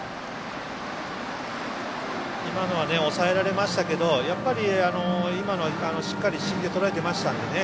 今のは抑えられましたけどやっぱり、今のはしっかり芯でとらえていましたからね。